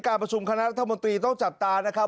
การประชุมคณะรัฐมนตรีต้องจับตานะครับ